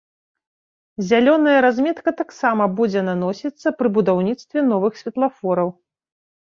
Зялёная разметка таксама будзе наносіцца пры будаўніцтве новых светлафораў.